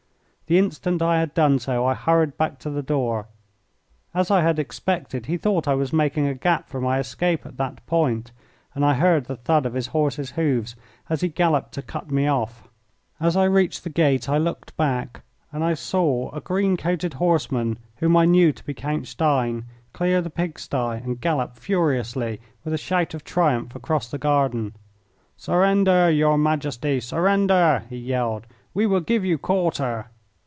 The instant I had done so I hurried back to the door. As I had expected, he thought I was making a gap for my escape at that point, and I heard the thud of his horse's hoofs as he galloped to cut me off. As I reached the gate I looked back, and I saw a green coated horseman, whom I knew to be Count Stein, clear the pig sty and gallop furiously with a shout of triumph across the garden. "Surrender, your Majesty, surrender!" he yelled; "we will give you quarter!"